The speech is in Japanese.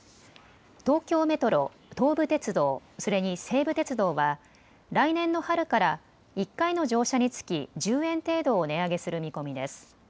東京メトロ、東武鉄道、それに西武鉄道は来年の春から１回の乗車につき１０円程度を値上げする見込みです。